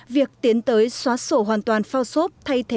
việc tiến tới xóa xốp là một trong những mối nguy hại đối với môi trường biển